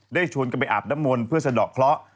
ชวนกันไปอาบน้ำมนต์เพื่อสะดอกเคราะห์